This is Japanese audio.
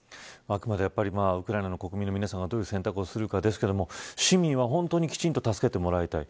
あくまでウクライナの国民がどういう選択をするかですが市民はきちんと助けてもらいたい。